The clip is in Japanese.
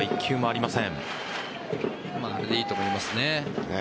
あれでいいと思いますね。